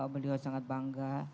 beliau sangat bangga